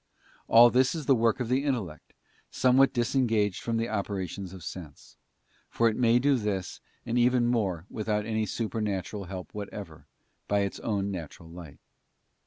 All this is the work of the intellect, somewhat disengaged from the operations of sense; for it may do this and even more without any supernatural help whatever, by its own natural light.